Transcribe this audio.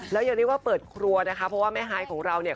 แล้วยังเรียกว่าเปิดครัวนะคะเพราะว่าแม่ฮายของเราเนี่ย